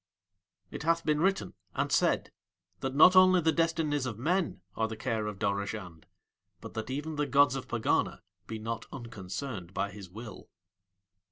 It hath been written and said that not only the destinies of men are the care of Dorozhand but that even the gods of Pegana be not unconcerned by his will.